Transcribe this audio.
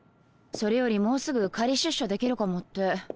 それよりもうすぐ仮出所できるかもって。